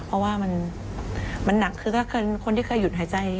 เพราะว่ามันหนักคือถ้าคนที่เคยหยุดหายใจ